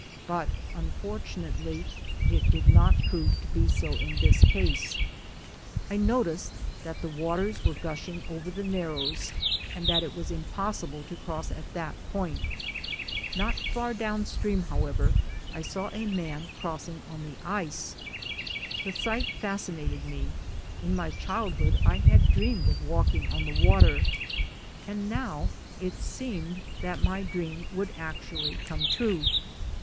But unfortunately it did not prove to be so in this case. I noticed that the waters were gushing over the narrows and that it was impossible to cross at that point. Not far down stream, however, I saw a man' crossing on the ice. The sight fascinated me; in my childhood I had dreamed of walking on the water, and now it seemed that my dream would actually come true.